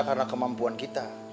karena kemampuan kita